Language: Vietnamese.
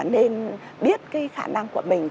nên biết cái khả năng của mình